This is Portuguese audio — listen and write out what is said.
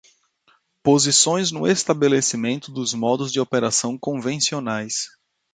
Posições no estabelecimento dos modos de operação convencionais.